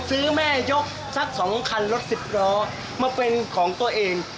ซื้อแม่ยกสัก๒คันรถ๑๑มาเป็นของตัวเอง